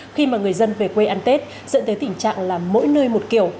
khi mà người dân về quê ăn tết dẫn tới tình trạng là mỗi nơi một kiểu